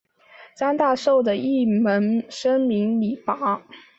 张大受的有一门生名李绂。